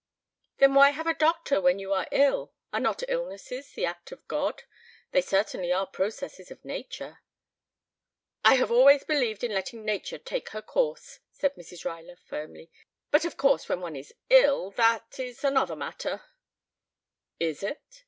"Then why have a doctor when you are ill? Are not illnesses the act of God? They certainly are processes of nature." "I have always believed in letting nature take her course," said Mrs. Ruyler firmly. "But of course when one is ill, that is another matter " "Is it?"